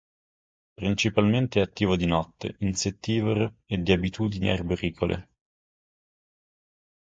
Principalmente è attivo di notte; insettivoro e di abitudini arboricole.